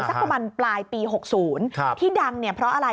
สักประมาณปลายปี๖๐ที่ดังเนี่ยเพราะอะไร